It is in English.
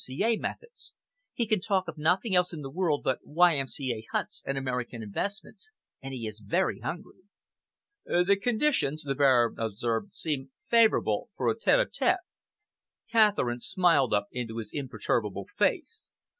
C.A. methods. He can talk of nothing else in the world but Y.M.C.A. huts and American investments, and he is very hungry." "The conditions," the Baron observed, "seem favourable for a tete a tete." Catherine smiled up into his imperturbable face.